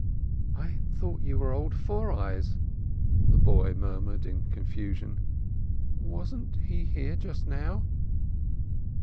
"I thought you were old Four Eyes," the boy murmured in confusion "Wasn't he here just now?"